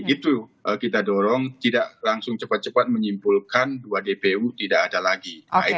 itu kita dorong tidak langsung cepat cepat menyimpulkan dua dpu tidak ada lagi